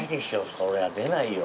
そりゃ出ないよ。